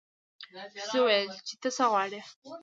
ښځې وویل چې ته څه غواړې.